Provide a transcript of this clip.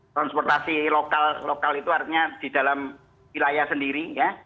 transportasi lokal lokal itu artinya di dalam wilayah sendiri ya